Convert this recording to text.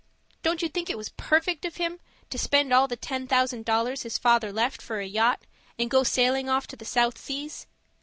Don't you think it was perfect of him to spend all the ten thousand dollars his father left, for a yacht, and go sailing off to the South Seas?